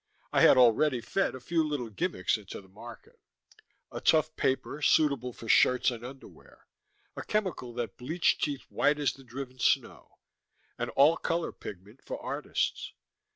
I had already fed a few little gimmicks into the market; a tough paper, suitable for shirts and underwear; a chemical that bleached teeth white as the driven snow; an all color pigment for artists.